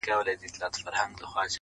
خو پيشو راته په لاره كي مرگى دئ،